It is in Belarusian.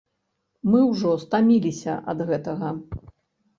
Мы ўжо стаміліся ад гэтага.